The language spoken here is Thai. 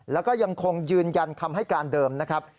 แล้วก็ยังคงยืนยันคำให้การเดิมนะครับ